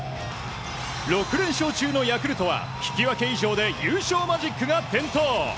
６連勝中のヤクルトは引き分け以上で優勝マジックが点灯。